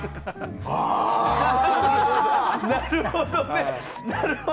なるほどね。